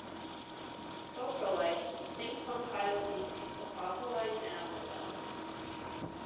Coprolites, distinct from "paleofaeces", are fossilized animal dung.